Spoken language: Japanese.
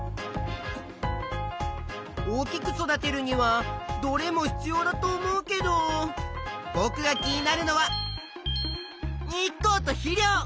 大きく育てるにはどれも必要だと思うけどぼくが気になるのは日光と肥料。